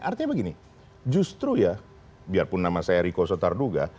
artinya begini justru ya biarpun nama saya riko sotarduga